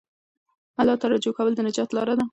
الله ته رجوع کول د نجات لاره ده.